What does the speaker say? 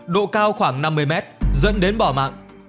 độ cao khoảng năm mươi mét dẫn đến bỏ mạng